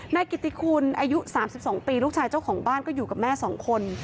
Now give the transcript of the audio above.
นายกิติคุณอายุ๓๒ปีลูกชายเจ้าของบ้านก็อยู่กับแม่๒คน